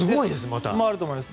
それもあると思います。